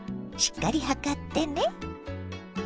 しっかり量ってね。